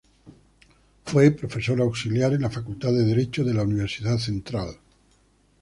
Fue profesor auxiliar en la Facultad de Derecho de la Universidad Central.